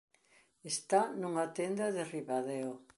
Está nunha tenda de Ribadeo.